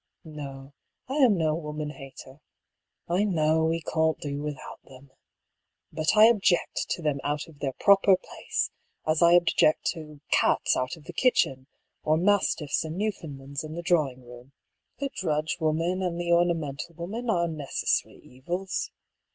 No, I am no woman hater. I know we can't do without them. But I object to them out of their proper place, as I object to cats out of the kitchen, or mastiffs and Newfoundlands in the drawing room. The drudge woman and the ornamental woman are necessary evils.